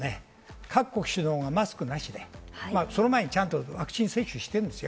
各国首脳がマスクなしでその前にワクチン接種してるんですよ。